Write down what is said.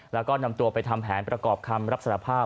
แล้วก็นำตัวไปทำแผนประกอบคำรับสารภาพ